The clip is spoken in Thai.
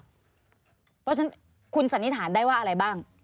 เพราะฉะนั้นคุณสันนิษฐานได้ว่าอะไรบ้าง